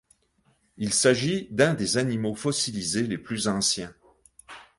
Il s'agit d'un des animaux fossilisés les plus anciens.